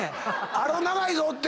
あれは長いぞって。